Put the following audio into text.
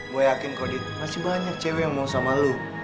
gue yakin kak adit masih banyak cewek yang mau sama lo